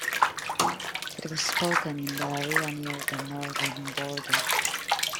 It was spoken in the area near the northern border.